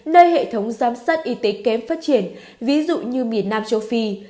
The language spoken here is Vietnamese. nơi hệ thống giám sát y tế kém phát triển ví dụ như miền nam châu phi